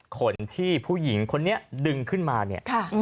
ขนที่ผู้หญิงคนนี้ดึงขึ้นมาเนี่ย